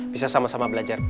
bisa sama sama belajar